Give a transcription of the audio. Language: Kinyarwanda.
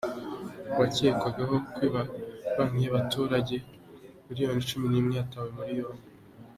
Uwakekwagaho kwiba banki yabaturage miliyoni zisaga cumi nimwe yatawe muri yombi